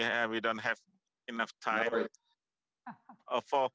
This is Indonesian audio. saya yakin kita tidak mempunyai